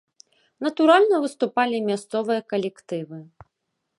Натуральна, выступалі і мясцовыя калектывы.